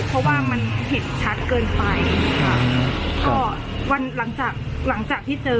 เพราะว่ามันเห็นชัดเกินไปค่ะก็วันหลังจากหลังจากที่เจอ